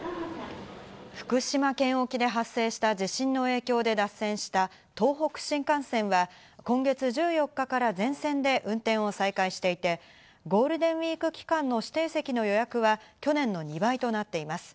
福島県沖で発生した地震の影響で脱線した東北新幹線は今月１４日から全線で運転を再開していて、ゴールデンウイーク期間の指定席の予約は去年の２倍となっています。